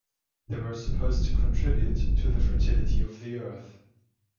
They were supposed to contribute to the fertility of the earth.